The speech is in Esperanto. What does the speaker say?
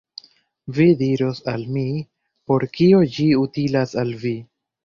Vi diros al mi, por kio ĝi utilas al vi.